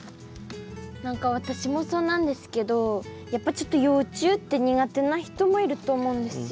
何か私もそうなんですけどやっぱちょっと幼虫って苦手な人もいると思うんですよ。